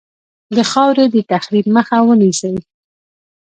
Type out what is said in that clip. د خاورې د تخریب مخه ونیسي.